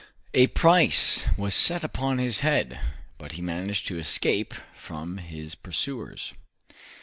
A price was set upon his head, but he managed to escape from his pursuers.